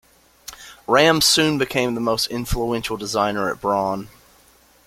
Rams soon became the most influential designer at Braun.